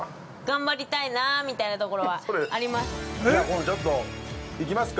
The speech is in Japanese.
◆頑張りたいなみたいなところはあります。